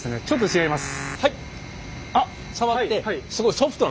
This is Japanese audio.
違います。